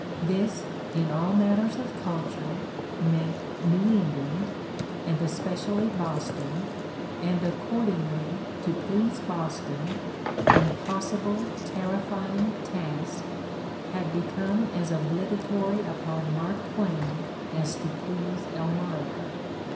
This, in all matters of culture, meant New England, and especially Boston, and accordingly to please Boston — impossible, terrifying task! — ^had become as obligatory upon Mark Twain as to please Blmira.